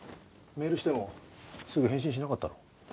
メールしてもすぐ返信しなかったろ。